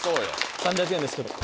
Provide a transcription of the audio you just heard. ３００円ですけど。